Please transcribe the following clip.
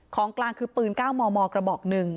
ของกลางคือปืน๙มมกระบอก๑